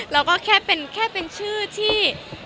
เราก็แค่เป็นชื่อที่